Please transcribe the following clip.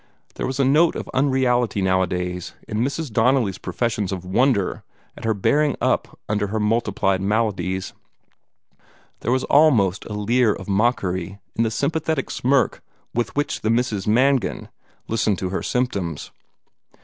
There was a note of unreality nowadays in Mrs. Donnelly's professions of wonder at her bearing up under her multiplied maladies; there was almost a leer of mockery in the sympathetic smirk with which the Misses Mangan listened to her symptoms.